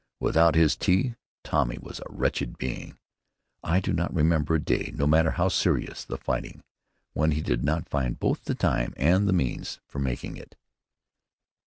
Without his tea Tommy was a wretched being. I do not remember a day, no matter how serious the fighting, when he did not find both the time and the means for making it.